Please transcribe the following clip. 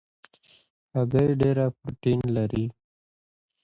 هګۍ ډېره پروټین لري.